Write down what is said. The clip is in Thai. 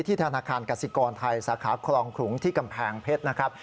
ธนาคารกสิกรไทยสาขาคลองขลุงที่กำแพงเพชรนะครับ